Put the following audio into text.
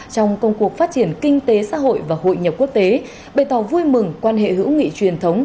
trong công cuộc phát triển kinh tế xã hội và hội nhập quốc tế bày tỏ vui mừng quan hệ hữu nghị truyền thống